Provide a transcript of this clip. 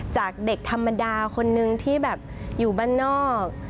จากเด็กธรรมดาคนนึงที่แบบอยู่บ้านนอก